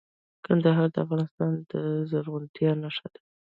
کندهار د افغانستان د زرغونتیا نښه ده.